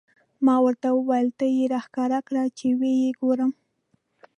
ما ورته وویل: ته یې را ښکاره کړه، چې و یې ګورم.